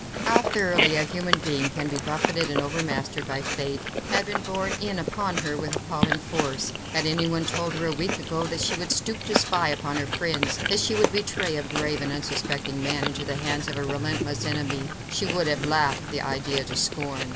How thoroughly a human being can be buffeted and overmastered by Fate, had been borne in upon her with appalling force. Had anyone told her a week ago that she would stoop to spy upon her friends, that she would betray a brave and unsuspecting man into the hands of a relentless enemy, she would have laughed the idea to scorn.